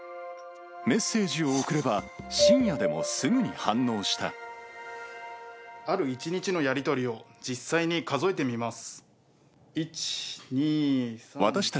メッセージを送れば深夜でもすぐある１日のやり取りを実際に数えてみます。